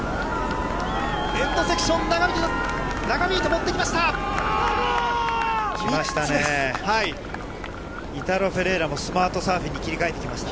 エンドセクション流れる、長引いて持っていきました。